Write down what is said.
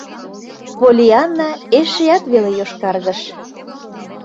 Поллианна эшеат веле йошкаргыш.